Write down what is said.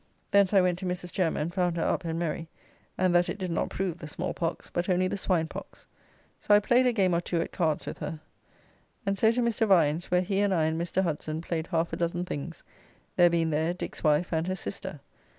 Thence I went to Mrs. Jem, and found her up and merry, and that it did not prove the small pox, but only the swine pox; so I played a game or two at cards with her. And so to Mr. Vines, where he and I and Mr. Hudson played half a dozen things, there being there Dick's wife and her sister.